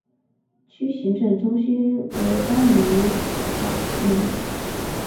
区行政中心为巴利马尼。